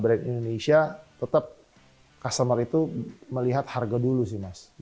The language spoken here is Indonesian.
brand indonesia tetap customer itu melihat harga dulu sih mas